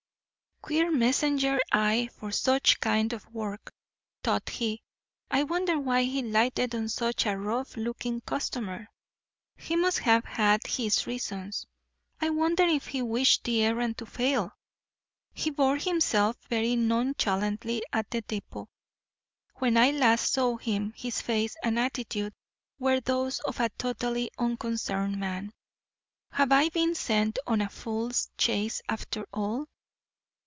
"Queer messenger, I, for such kind of work," thought he. "I wonder why he lighted on such a rough looking customer. He must have had his reasons. I wonder if he wished the errand to fail. He bore himself very nonchalantly at the depot. When I last saw him his face and attitude were those of a totally unconcerned man. Have I been sent on a fool's chase after all?"